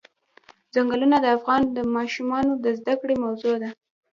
ځنګلونه د افغان ماشومانو د زده کړې موضوع ده.